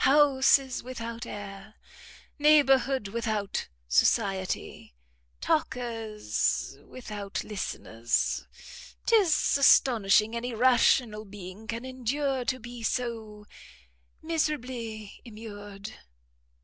Houses without air! Neighbourhood without society! Talkers without listeners! 'Tis astonishing any rational being can endure to be so miserably immured."